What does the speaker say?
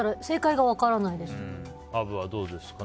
正解が分からないです。